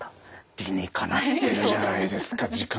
理にかなってるじゃないですか時間栄養学。